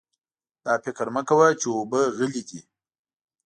دا فکر مه کوه چې اوبه غلې دي.